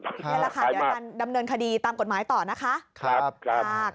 เอาละค่ะเดี๋ยวกันดำเนินคดีตามกฎหมายต่อนะคะครับครับขอบคุณครับ